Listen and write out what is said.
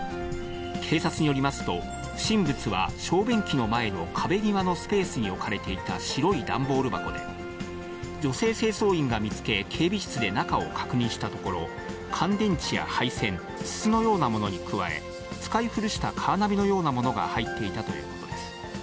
警察によりますと、不審物は小便器の前の壁際のスペースに置かれていた白い段ボール箱で、女性清掃員が見つけ、警備室で中を確認したところ、乾電池や配線、筒のようなものに加え、使い古したカーナビのようなものが入っていたということです。